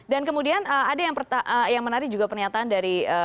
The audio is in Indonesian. dan kemudian ada yang menarik juga pernyataan dari